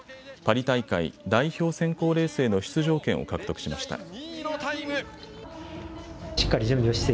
パリ大会、代表選考レースへの出場権を獲得しました。